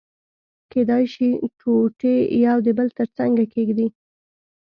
کېدای شي ټوټې يو د بل تر څنګه کېږدي.